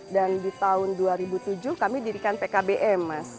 dan di tahun dua ribu tujuh kami dirikan pkbm